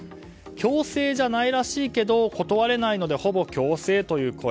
強制じゃないらしいけど断れないのでほぼ強制という声。